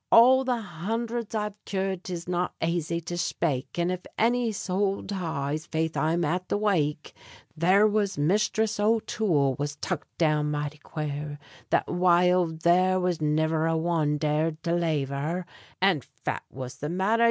All the hundhreds I've cured 'tis not aisy to shpake, And if any sowl dies, faith I'm in at the wake; There was Misthriss O'Toole was tuck down mighty quare, That wild there was niver a one dared to lave her; And phat was the matther?